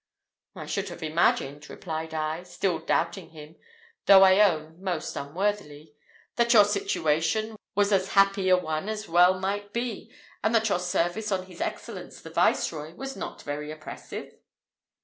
"I should have imagined," replied I, still doubting him, though I own most unworthily, "that your situation was as happy a one as well might be; and that your service on his Excellence the Viceroy was not very oppressive?"